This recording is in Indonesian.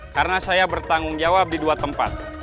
karena saya bertanggung jawab di dua tempat